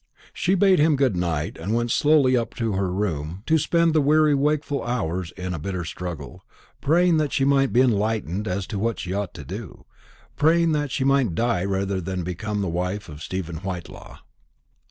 She bade him good night, and went slowly up to her own room to spend the weary wakeful hours in a bitter struggle, praying that she might be enlightened as to what she ought to do; praying that she might die rather than become the wife of Stephen Whitelaw.